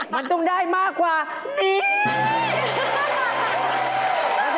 มันต้องได้มากกว่านี้